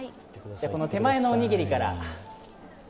手前のおにぎりから。